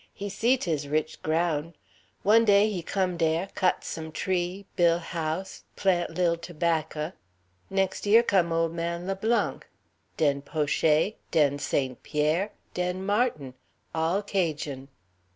He see 'tis rich groun'. One day he come dare, cut some tree', buil' house, plant lil tobahcah. Nex' year come ole man Le Blanc; den Poché, den St. Pierre, den Martin, all Cajun'.